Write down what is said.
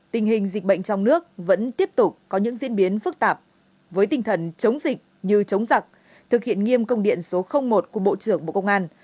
tình hình dịch bệnh trong nước vẫn tiếp tục có những diễn biến phức tạp với tinh thần chống dịch như chống giặc thực hiện nghiêm công điện số một của bộ trưởng bộ công an